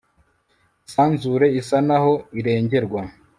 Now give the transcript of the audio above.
Isanzure isa naho irengerwa